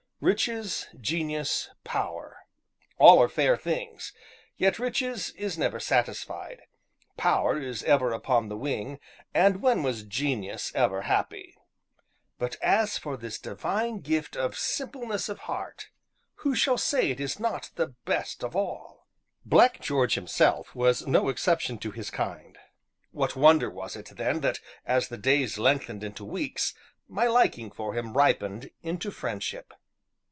Riches, Genius, Power all are fair things; yet Riches is never satisfied, Power is ever upon the wing, and when was Genius ever happy? But, as for this divine gift of Simpleness of Heart, who shall say it is not the best of all? Black George himself was no exception to his kind; what wonder was it, then, that, as the days lengthened into weeks, my liking for him ripened into friendship?